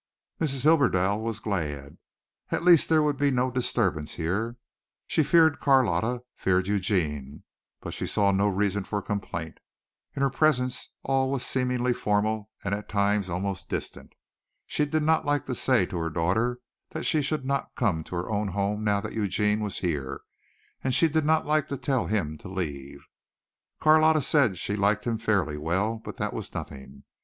Mrs. Hibberdell was glad. At least there would be no disturbance here. She feared Carlotta, feared Eugene, but she saw no reason for complaint. In her presence all was seemingly formal and at times almost distant. She did not like to say to her daughter that she should not come to her own home now that Eugene was here, and she did not like to tell him to leave. Carlotta said she liked him fairly well, but that was nothing.